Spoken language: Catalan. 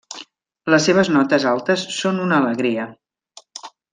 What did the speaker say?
Les seves notes altes són una alegria.